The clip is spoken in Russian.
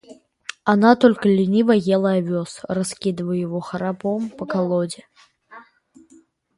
Одна только лениво ела овес, раскидывая его храпом по колоде.